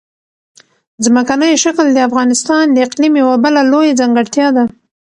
ځمکنی شکل د افغانستان د اقلیم یوه بله لویه ځانګړتیا ده.